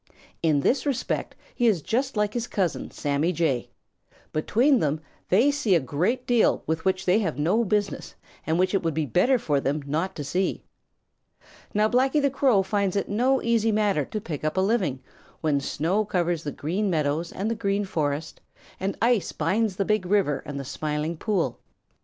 In this respect he is just like his cousin, Sammy Jay. Between them they see a great deal with which they have no business and which it would be better for them not to see. Now Blacky the Crow finds it no easy matter to pick up a living when snow covers the Green Meadows and the Green Forest, and ice binds the Big River and the Smiling Pool.